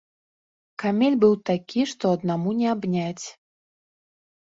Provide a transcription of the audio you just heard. Камель быў такі, што аднаму не абняць.